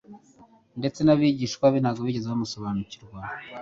Ndetse n'abigishwa be ntibigeze bamusobanukirwa.